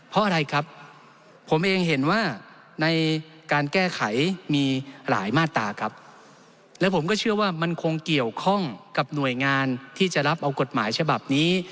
เพราะอะไรครับผมเองเห็นว่าในการแก้ไขมีหลายมาตราครับและผมก็เชื่อว่ามันคงเกี่ยวข้องกับหน่วยงานที่จะรับเอากฎหมายฉบับนี้